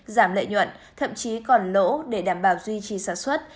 giảm lợi nhuận thậm chí còn lỗ để đảm bảo duy trì sản xuất